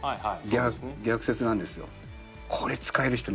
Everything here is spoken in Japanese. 逆説なんですよ。